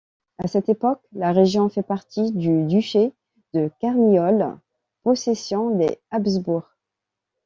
À cette époque, la région fait partie du duché de Carniole, possession des Habsbourg.